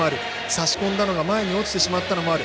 差し込んだのが前に落ちてしまったのもある。